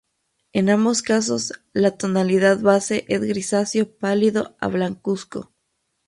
En ambos casos, la tonalidad base es grisáceo pálido a blancuzco.